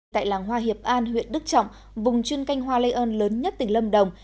tại làng hoa hiệp an huyện đức trọng vùng chuyên canh hoa lây ơn lớn nhất tỉnh lâm đồng